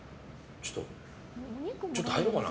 ちょっと入ろうかな。